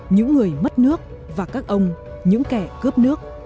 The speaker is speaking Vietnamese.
những người mất nước và các ông những kẻ cướp nước